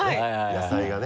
野菜がね。